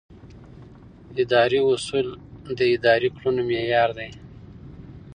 اداري اصول د ادارې د کړنو معیار دي.